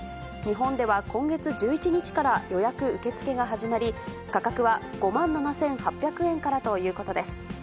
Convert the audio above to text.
日本では今月１１日から予約受け付けが始まり、価格は５万７８００円からということです。